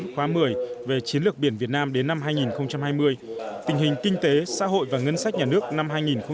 khóa một mươi về chiến lược biển việt nam đến năm hai nghìn hai mươi tình hình kinh tế xã hội và ngân sách nhà nước năm hai nghìn hai mươi